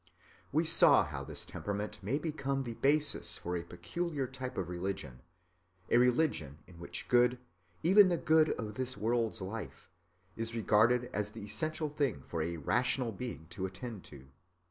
We saw how this temperament may become the basis for a peculiar type of religion, a religion in which good, even the good of this world's life, is regarded as the essential thing for a rational being to attend to.